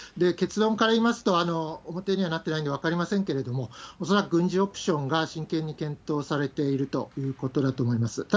結論から言いますと、表にはなってないんで分かりませんけれども、恐らく軍事オプションが真剣に検討されているということだと思います。